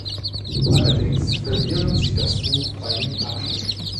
Allerdings verlieren sie das Buch beim Abstieg.